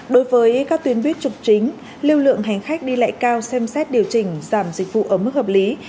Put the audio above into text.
đối với các tuyến buýt trục chính lưu lượng hành khách đi lại cao xem xét điều chỉnh giảm dịch vụ ở mức hợp lý